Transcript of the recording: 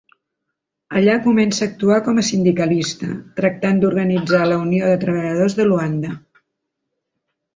Allà començà a actuar com a sindicalista, tractant d'organitzar la Unió de Treballadors de Luanda.